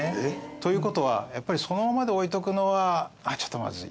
ということはやっぱりそのままで置いとくのはちょっとまずい。